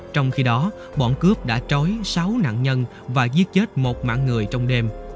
trong khi đó bọn cướp đã trói sáu nạn nhân và giết chết một mạng người trong đêm